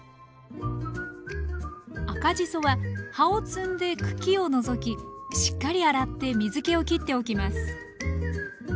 赤じそは葉を摘んで茎を除きしっかり洗って水けをきっておきます